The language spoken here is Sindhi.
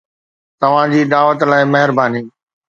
توهان جي دعوت لاء مهرباني